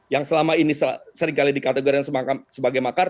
yang selama ini seringkali dikategorikan sebagai makar